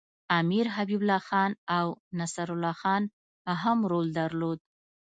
امیر حبیب الله خان او نصرالله خان هم رول درلود.